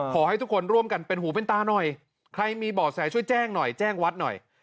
ขอให้ทุกคนร่วมกันเป็นหูเป็นตาหน่อยใครมีบ่อแสช่วยแจ้งหน่อยแจ้งวัดหน่อย